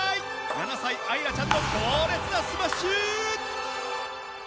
７歳愛空ちゃんの強烈なスマッシュ！